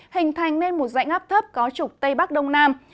hình thành nên một dãy ngắp thấp có trục tây bắc đông nam